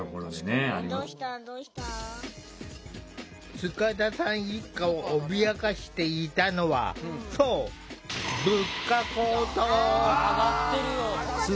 塚田さん一家を脅かしていたのはそう、物価高騰。